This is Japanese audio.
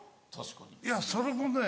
いやそれもね